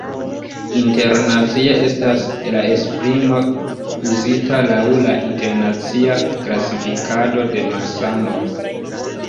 Internacie estas la esprimo uzita laŭ la internacia klasifikado de malsanoj.